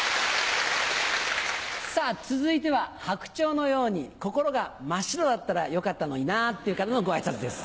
さぁ続いては白鳥のように心が真っ白だったらよかったのになぁっていう方のご挨拶です。